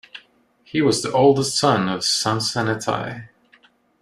He was the oldest son of Samsenethai.